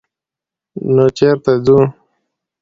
_نو چېرته ځو؟